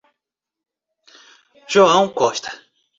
João Costa